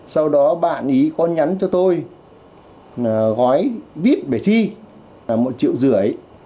sau đó bạn ý con nhắn cho tôi gói vip để thi là một triệu rưỡi